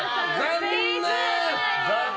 残念！